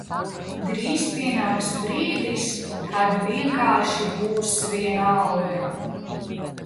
Drīz pienāks brīdis, kad vienkārši būs vienalga.